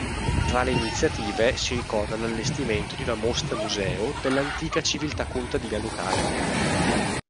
Tra le iniziative si ricorda l'allestimento di una mostra-museo dell'antica civiltà contadina locale.